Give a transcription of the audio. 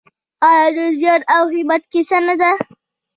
آیا د زیار او همت کیسه نه ده؟